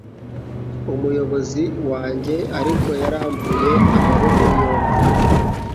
Umuyobozi wanjye ariko yarambuye amaboko yombi